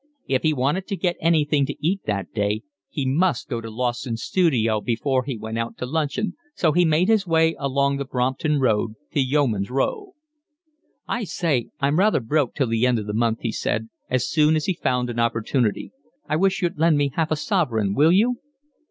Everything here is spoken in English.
If he wanted to get anything to eat that day he must go to Lawson's studio before he went out to luncheon, so he made his way along the Brompton Road to Yeoman's Row. "I say, I'm rather broke till the end of the month," he said as soon as he found an opportunity. "I wish you'd lend me half a sovereign, will you?"